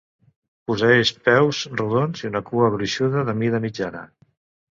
Posseeix peus rodons i una cua gruixuda de mida mitjana.